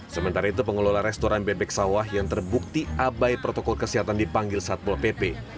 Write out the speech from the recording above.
sementara itu pengelola restoran bebek sawah yang terbukti abai protokol kesehatan dipanggil satpol pp